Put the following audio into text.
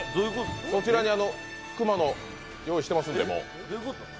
こちらに熊野、用意してますので。